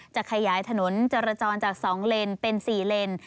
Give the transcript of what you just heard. จะขยายถนนจรจรจาก๒เลนเป็น๔เลน